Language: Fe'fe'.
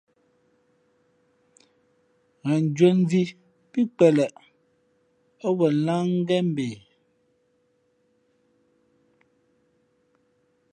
Ghen njwēn mvhī pí kweleꞌ ά wen láh ngén mbe.